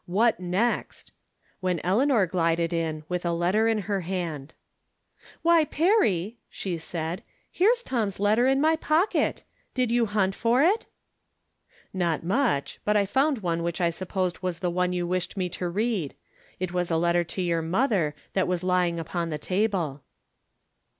What next ? when Eleanor glided in, with a letter in her hand. 240 From Different Standpoints. " Why, Perry," she said, " here's Tom's letter in my pocket ! Did you hunt for it ?"" Not much ; but I found one which I sup posed was the one you wished me to read. It was a letter to your mother that was lying upon the table."